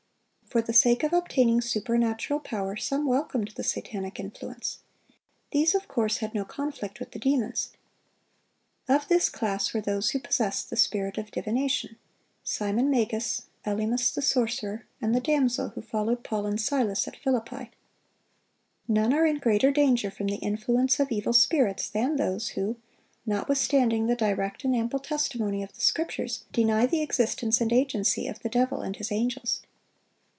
For the sake of obtaining supernatural power, some welcomed the satanic influence. These of course had no conflict with the demons. Of this class were those who possessed the spirit of divination,—Simon Magus, Elymas the sorcerer, and the damsel who followed Paul and Silas at Philippi. None are in greater danger from the influence of evil spirits than those who, notwithstanding the direct and ample testimony of the Scriptures, deny the existence and agency of the devil and his angels.